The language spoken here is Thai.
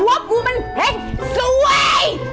พวกมึงมันเห็นสวย